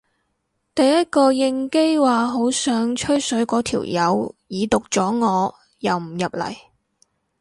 第一個應機話好想吹水嗰條友已讀咗我又唔入嚟